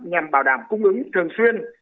nhằm bảo đảm cung ứng thường xuyên